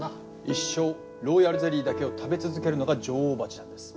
一生ローヤルゼリーだけを食べ続けるのが女王蜂なんです。